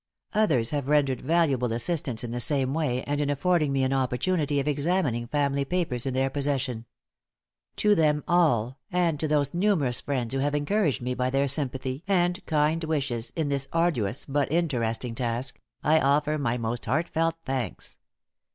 Others have rendered valuable assistance in the same way, and in affording me an opportunity of examining family papers in their possession. To them all and to those numerous friends who have encouraged me by their sympathy and kind wishes in this arduous but interesting task I offer most heartfelt thanks.